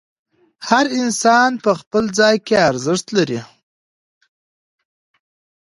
هر انسان په خپل ځای کې ارزښت لري.